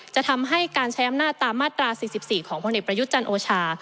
จะทำให้การใช้อำนาจตามมาตรา๔๔ของพลเอกประยุทธ์จันทร์โอชา